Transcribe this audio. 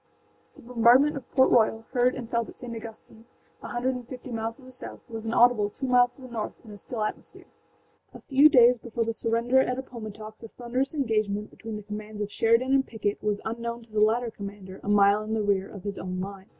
The bombardment of Port Royal, heard and felt at St. Augustine, a hundred and fifty miles to the south, was inaudible two miles to the north in a still atmosphere. A few days before the surrender at Appomattox a thunderous engagement between the commands of Sheridan and Pickett was unknown to the latter commander, a mile in the rear of his own line.